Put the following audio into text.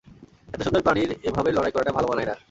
এত সুন্দর প্রাণীর এভাবে লড়াই করাটা ভাল মানায় না।